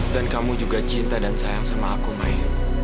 dan kamu juga cinta dan sayang sama aku may